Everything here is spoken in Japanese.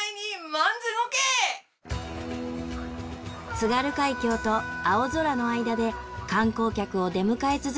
津軽海峡と青空の間で観光客を出迎え続けて２０年。